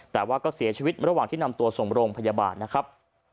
แต่ว่าก็เสียชีวิตระหว่างที่นำตัวส่งโรงพยาบาลนะครับ